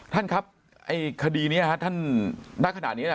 ท่านครับไอ้คดีเนี้ยฮะท่านด้านขณะนี้น่ะ